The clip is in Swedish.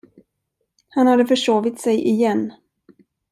Han hade försovit sig igen.